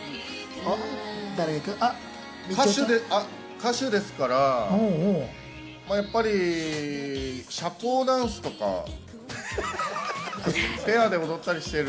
歌手ですから、やっぱり社交ダンスとか、ペアで踊ったりしている。